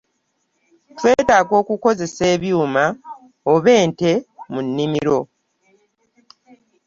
Twetaaga okukozesa ebyuma oba ente mu nnimiro.